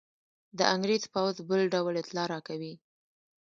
د انګرېز پوځ بل ډول اطلاع راکوي.